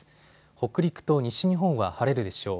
北陸と西日本は晴れるでしょう。